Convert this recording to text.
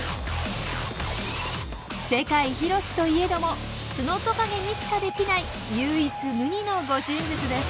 世界広しといえどもツノトカゲにしかできない唯一無二の護身術です。